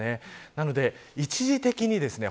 なので、一時的にですね